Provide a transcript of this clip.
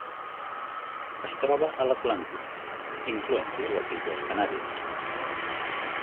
Es troba a l'Atlàntic, incloent-hi les Illes Canàries.